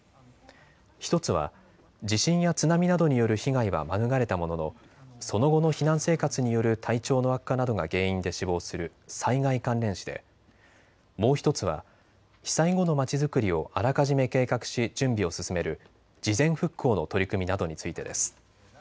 １つは地震や津波などによる被害は免れたもののその後の避難生活による体調の悪化などが原因で死亡する災害関連死でもう１つは被災後の街づくりをあらかじめ計画し準備を進める事前復興の取り組みなどについてです。